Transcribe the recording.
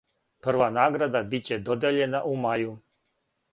Прва награда биће додељена у мају.